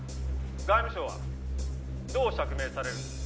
外務省はどう釈明されるんです？」